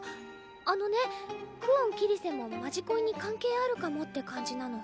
あのね久遠桐聖も「まじこい」に関係あるかもって感じなの。